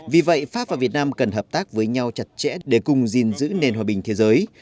vì vậy pháp và việt nam cần hợp tác với nhau chặt chẽ để cùng gìn giữ nền hòa bình thế giới